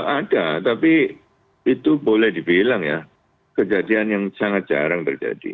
ada tapi itu boleh dibilang ya kejadian yang sangat jarang terjadi